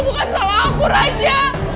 bukan salah aku raja